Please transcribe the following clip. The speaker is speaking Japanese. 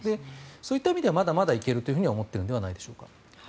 そういった意味ではまだまだいけると思っているのではないでしょうか。